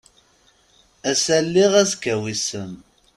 Ass-a lliɣ azekka wissen.